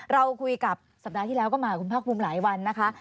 เราคุยกับสัปดาห์ที่แล้วก็มาคุณภาคภูมิหลายวันนะคะ